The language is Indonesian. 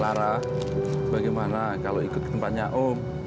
lara bagaimana kalau ikut tempatnya om